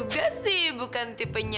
gak apa apa i'm fine